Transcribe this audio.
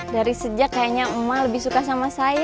dari sejak kayaknya emak lebih suka sama saya